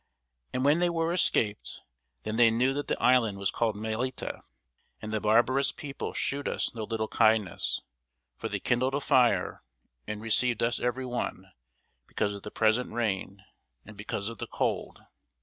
And when they were escaped, then they knew that the island was called Melita. And the barbarous people shewed us no little kindness: for they kindled a fire, and received us every one, because of the present rain, and because of the cold.